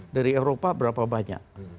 dari eropa berapa banyak